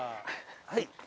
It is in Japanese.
はい。